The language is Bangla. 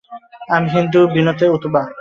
আমি হিন্দু বিনতে উতবা।